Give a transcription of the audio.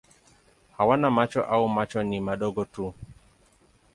Hawana macho au macho ni madogo tu.